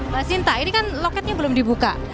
mbak sinta ini kan loketnya belum dibuka